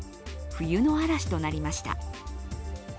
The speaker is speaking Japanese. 冬の嵐となりました。